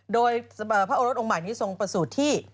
โดยพระโอรสองค์ใหม่ที่ทรงประสูทิทธิ์